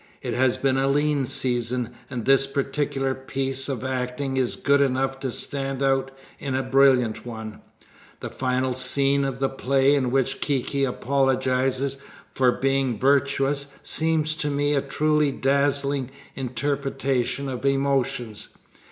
It has been a lean season, and this particular piece of acting is good enough to stand out in a brilliant one. The final scene of the play, in which Kiki apologizes for being virtuous, seems to me a truly dazzling interpretation of emotions.